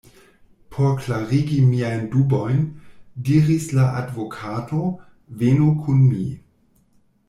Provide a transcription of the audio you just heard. Por klarigi miajn dubojn, diris la advokato, venu kun mi.